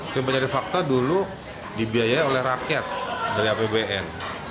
tim pencari fakta dulu dibiayai oleh rakyat dari apbn